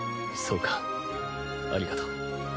そうかありがとう。